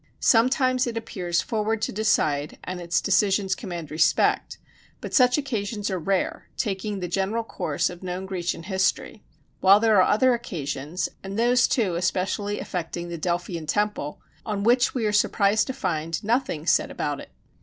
Sometimes it appears forward to decide, and its decisions command respect; but such occasions are rare, taking the general course of known Grecian history; while there are other occasions, and those too especially affecting the Delphian temple, on which we are surprised to find nothing said about it.